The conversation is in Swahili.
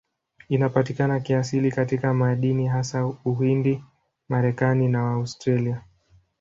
Inapatikana kiasili katika madini, hasa Uhindi, Marekani na Australia.